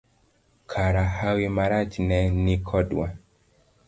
Kara hawi marach ne ni kodwa.